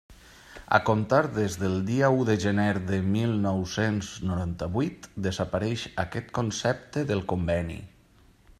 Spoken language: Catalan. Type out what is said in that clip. A comptar des del dia u de gener de mil nou-cents noranta-vuit, desapareix aquest concepte del Conveni.